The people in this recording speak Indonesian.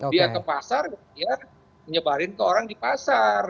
dia ke pasar dia menyebarin ke orang di pasar